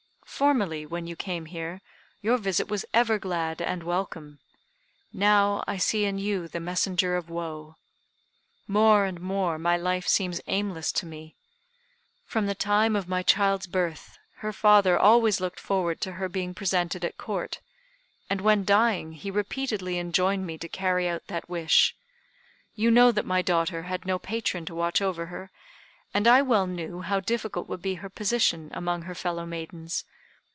Formerly, when you came here, your visit was ever glad and welcome; now I see in you the messenger of woe. More and more my life seems aimless to me. From the time of my child's birth, her father always looked forward to her being presented at Court, and when dying he repeatedly enjoined me to carry out that wish. You know that my daughter had no patron to watch over her, and I well knew how difficult would be her position among her fellow maidens.